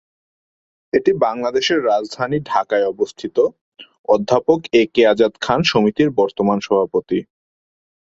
এটি বাংলাদেশের রাজধানী ঢাকায় অবস্থিত অধ্যাপক একে আজাদ খান সমিতির বর্তমান সভাপতি।